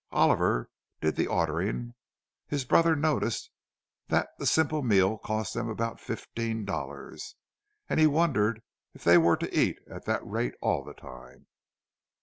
Oliver did the ordering; his brother noticed that the simple meal cost them about fifteen dollars, and he wondered if they were to eat at that rate all the time.